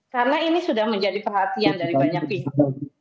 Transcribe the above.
karena ini sudah menjadi perhatian dari banyak pihak